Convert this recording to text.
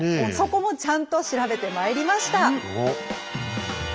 そこもちゃんと調べてまいりました。